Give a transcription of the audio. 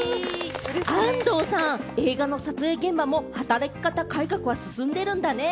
安藤さん、映画の撮影現場も働き方改革は進んでいるんだね。